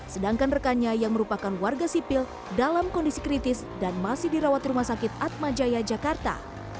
sedangkan rekannya yang merupakan warga sipil dalam kondisi kritis dan masih dirawat rumah sakit atmajaya jakarta